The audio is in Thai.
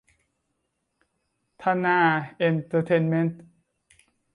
ธนาเอนเตอร์เทนเม้นท์